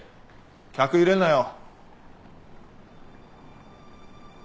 客入れんなよ。